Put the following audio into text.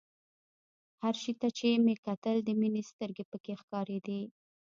هر شي ته چې مې کتل د مينې سترګې پکښې ښکارېدې.